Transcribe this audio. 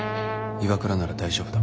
岩倉なら大丈夫だ。